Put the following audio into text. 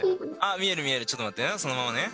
見える、見える、ちょっと待ってね、そのままね。